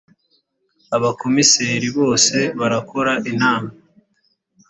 abakomiseri bose barakora inama